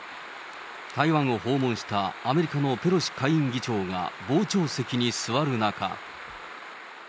台湾を訪問したアメリカのペロシ下院議長が傍聴席に座る中。